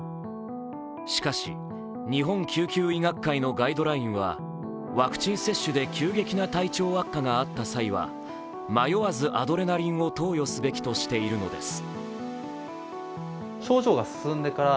しかし、日本救急医学会のガイドラインは、ワクチン接種で急激な体調悪化があった際は迷わずアドレナリンを投与すべきとしているのです。